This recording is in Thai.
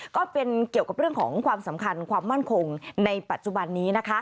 ก็เป็นเกี่ยวกับเรื่องของความสำคัญความมั่นคงในปัจจุบันนี้นะคะ